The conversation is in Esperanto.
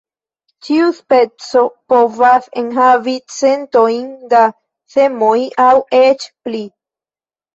Ĉiu speco povas enhavi centojn da semoj aŭ eĉ pli.